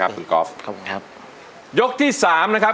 คุณก๊อฟขอบคุณครับยกที่สามนะครับ